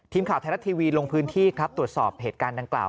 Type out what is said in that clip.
ทีมข่าวไทยรัฐทีวีลงพื้นที่ครับตรวจสอบเหตุการณ์ดังกล่าว